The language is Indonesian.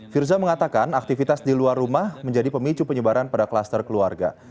firza mengatakan aktivitas di luar rumah menjadi pemicu penyebaran pada kluster keluarga